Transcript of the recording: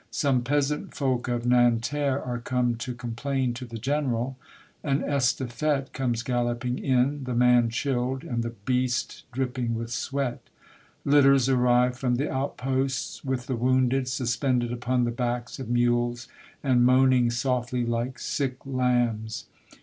Some peasant folk of Nanterre are come to complain to the General ; an estafette comes galloping in, the man chilled, and the beast dripping with sweat. Litters arrive from the outposts with the wounded suspended upon the backs of mules, and moaning softly like sick lambs.